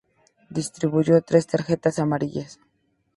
Distribuyó tres tarjetas amarillas.